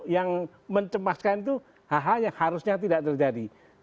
yang mencemaskan itu hal hal yang harusnya tidak terjadi